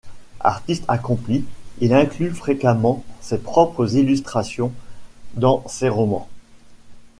Artiste accompli, il inclut fréquemment ses propres illustrations dans ses romans.